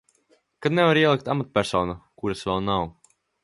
Ka nevar ielikt amatpersonu, kuras vēl nav.